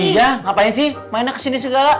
iya ngapain sih mainnya ke sini segala